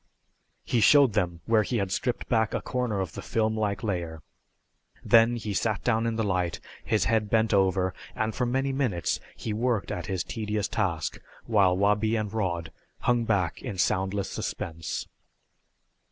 He showed them where he had stripped back a corner of the film like layer. Then he sat down in the light, his head bent over, and for many minutes he worked at his tedious task while Wabi and Rod hung back in soundless suspense.